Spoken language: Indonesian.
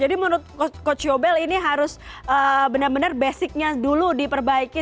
jadi menurut coach sjobel ini harus benar benar basicnya dulu diperbaiki